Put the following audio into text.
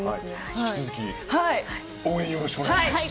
引き続き応援よろしくお願いします。